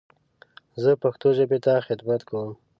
زه پښتو ژبې ته خدمت کوم.